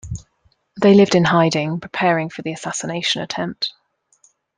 They lived in hiding, preparing for the assassination attempt.